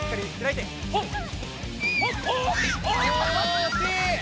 おおしい！